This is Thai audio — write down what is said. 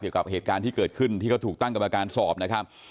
เกี่ยวกับเหตุการณ์ที่เกิดขึ้นที่เขาถูกตั้งกรรมการสอบนะครับ